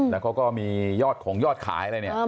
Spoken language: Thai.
แล้วเขาก็มียอดขงยอดขายอะไรเนี่ย